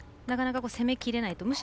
なかなか攻めきれないと。